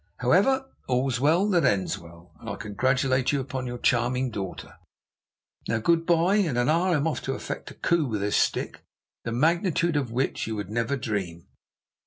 However, all's well that ends well, and I congratulate you upon your charming daughter. Now, good bye; in an hour I am off to effect a coup with this stick, the magnitude of which you would never dream.